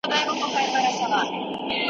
د قبیلو اړيکي د خوندیتوب لپاره قوي اړتیا ده.